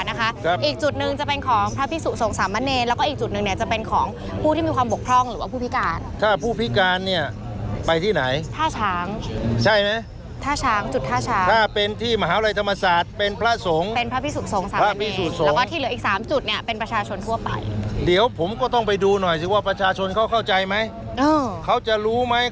นี่ยังไม่เช่นเปิดยังเป็นทางงานด้วยวันไหร่